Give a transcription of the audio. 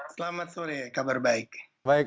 selamat sore kabar baik